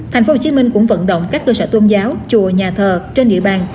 tp hcm cũng vận động các cơ sở tôn giáo chùa nhà thờ trên địa bàn